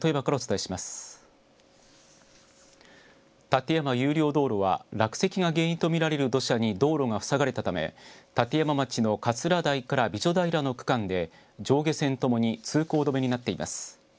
立山有料道路は落石が原因と見られる土砂に道路が塞がれたため立山町の桂台から美女平の区間で上下線ともに通行止めになっています。